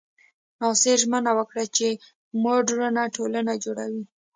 ناصر ژمنه وکړه چې موډرنه ټولنه جوړوي.